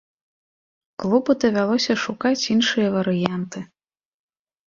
Клубу давялося шукаць іншыя варыянты.